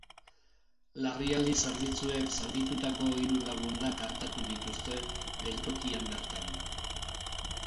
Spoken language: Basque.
Larrialdi zerbitzuek zauritutako hiru lagunak artatu dituzte, geltokian bertan.